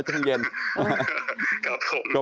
พี่หนุ่ม